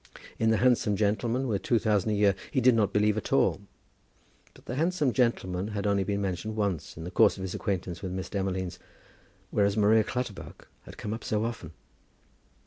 In the handsome gentleman with two thousand a year, he did not believe at all. But the handsome gentleman had only been mentioned once in the course of his acquaintance with Miss Demolines, whereas Maria Clutterbuck had come up so often!